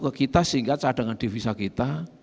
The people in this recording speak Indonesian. ke kita sehingga cadangan devisa kita